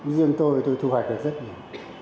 riêng tôi tôi thu hoạch được rất nhiều